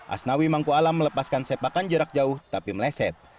asnawi mangku alam melepaskan sepakan jerak jauh tapi meleset